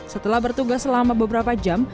setelah bertugas selama beberapa jam